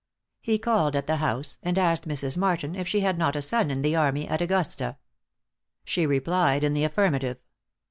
He called at the house, and asked Mrs. Martin if she had not a son in the army at Augusta. She replied in the affirmative.